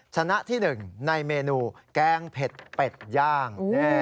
ชนะที่๑ในเมนูแกงเผ็ดเป็ดย่าง